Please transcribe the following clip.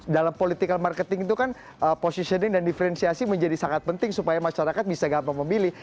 dalam political marketing itu kan positioning dan diferensiasi menjadi sangat penting supaya masyarakat bisa gampang memilih